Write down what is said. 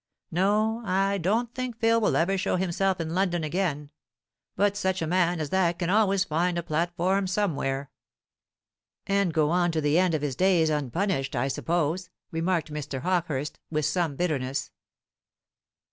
No, I don't think Phil will ever show himself in London again; but such a man as that can always find a platform somewhere " "And go on to the end of his days unpunished, I suppose," remarked Mr. Hawkehurst, with some bitterness.